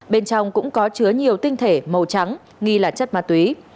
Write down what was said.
bên trong cũng có chứa nhiều tinh thể màu trắng nghi là chất ma túy